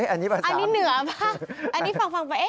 อันนี้ภาษาอันนี้เหนือป่ะอันนี้ฟังไป